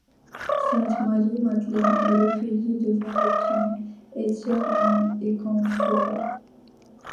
Sainte Marie-Madeleine est recueillie devant le trône et tient un encensoir.